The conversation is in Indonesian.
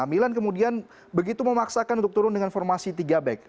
milan kemudian begitu memaksakan untuk turun dengan formasi tiga back